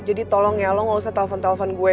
jadi tolong ya lo gak usah telfon telfon gue